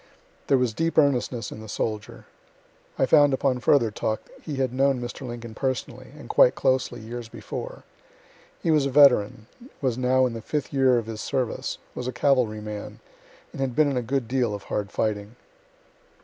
There was deep earnestness in the soldier. (I found upon further talk he had known Mr. Lincoln personally, and quite closely, years before.) He was a veteran; was now in the fifth year of his service; was a cavalry man, and had been in a good deal of hard fighting.